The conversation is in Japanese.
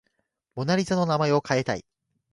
モナ・リザの名前を変えたい